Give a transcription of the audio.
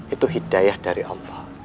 itu hidayah dari allah